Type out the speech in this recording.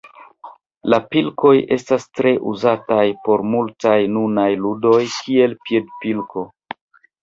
La pilkoj estas tre uzataj por multaj nunaj ludoj, kiel piedpilko.